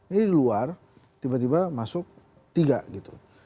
jadi luar tiba tiba masuk tiga gitu